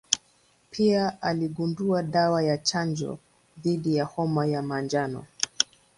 Pia aligundua dawa ya chanjo dhidi ya homa ya manjano.